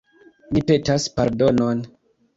Mi petas pardonon.